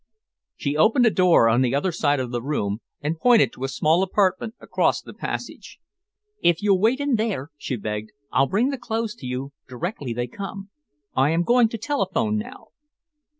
She opened a door on the other side of the room, and pointed to a small apartment across the passage. "If you'll wait in there," she begged, "I'll bring the clothes to you directly they come. I am going to telephone now."